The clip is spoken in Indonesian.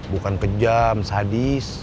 bukan kejam sadis